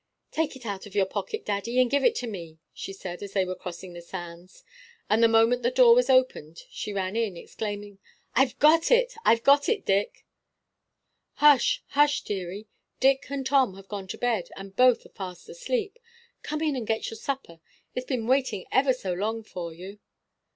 "Take it out of your pocket, daddy, and give it to me," she said, as they were crossing the sands; and the moment the door was opened she ran in, exclaiming, "I've got it! I've got it, Dick!" "Hush, hush, deary; Dick and Tom have gone to bed, and both are fast asleep. Come in and get your supper; it's been waiting ever so long for you."